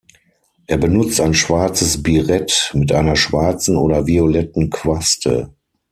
Er benutzt ein schwarzes Birett mit einer schwarzen oder violetten Quaste.